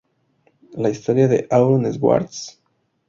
La historia de Aaron Swartz.